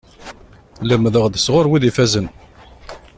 Lemdeɣ-d sɣur wid ifazen.